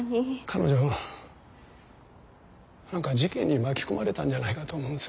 彼女何か事件に巻き込まれたんじゃないかと思うんですが。